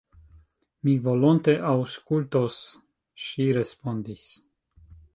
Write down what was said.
Mi volonte aŭskultos, ŝi respondis.